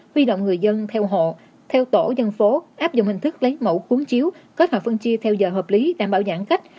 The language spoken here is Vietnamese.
huy động người dân theo hộ theo tổ dân phố áp dụng hình thức lấy mẫu cuốn chiếu kết hợp phân chia theo giờ hợp lý đảm bảo giãn cách